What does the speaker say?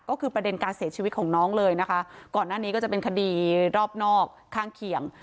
ก็คือประเด็นการเสียชีวิตของน้องเลยนะคะก่อนหน้านี้ก็จะเป็นคดีรอบนอกข้างเคียง